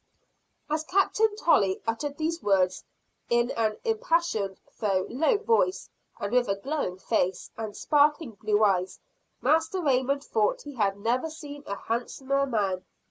As Captain Tolley uttered these words, in an impassioned, though low voice, and with a glowing face and sparkling blue eyes, Master Raymond thought he had never seen a handsomer man.